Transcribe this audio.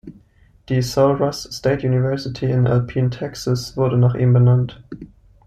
Die Sul Ross State University in Alpine, Texas, wurde nach ihm benannt.